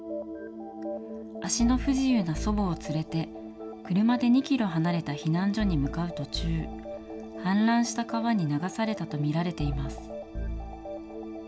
足の不自由な祖母を連れて車で２キロ離れた避難所に向かう途中、氾濫した川に流されたと見られています。